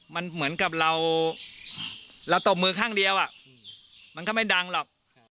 มันเหมือนกับเราตบมือข้างเดียวมันก็ไม่ดังหรอก